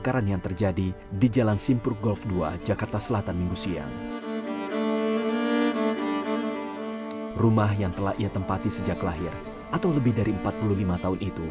rumah yang telah ia tempati sejak lahir atau lebih dari empat puluh lima tahun itu